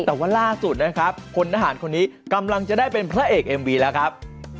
แต่ว่าล่าสุดนะครับพลทหารคนนี้กำลังจะได้เป็นพระเอกเอ็มวีแล้วครับ